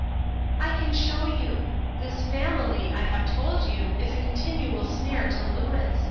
"I can show you. This family, I have told you, is a continual snare to Louis.